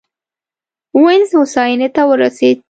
وینز هوساینې ته ورسېد.